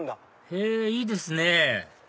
へぇいいですね